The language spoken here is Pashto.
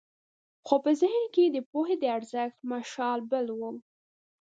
خو په ذهن کې یې د پوهې د ارزښت مشال بل و.